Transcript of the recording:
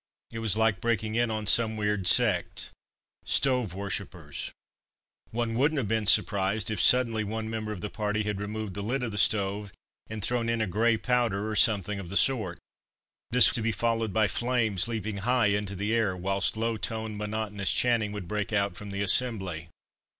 It was like breaking in on some weird sect "Stove Worshippers." One wouldn't have been surprised if, suddenly, one member of the party had removed the lid of the stove and thrown in a "grey powder," or something of the sort. This to be followed by flames leaping high into the air, whilst low toned monotonous chanting would break out from the assembly.